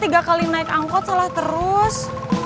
tiga kali naik angkot salah terus